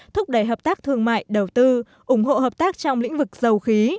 thúc đẩy hợp tác thương mại đầu tư ủng hộ hợp tác trong lĩnh vực dầu khí